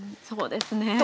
そうですね。